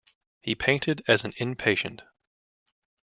He painted as an inpatient.